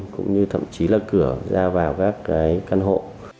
cũng như thậm chí là cửa ra vào các cái căn hộ